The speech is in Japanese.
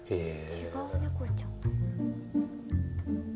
違うネコちゃん。